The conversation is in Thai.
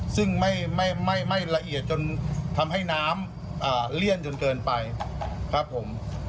ซึ่งไม่ละเอียดจนทำให้น้ำเลี่ยนจนเกินไปครับผม